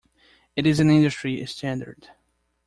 It is an industry standard.